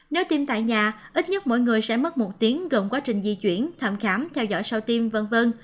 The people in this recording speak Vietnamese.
nếu tiêm tại nhà ít nhất mỗi người sẽ mất một tiếng gồm quá trình di chuyển thăm khám theo dõi sau tiêm v v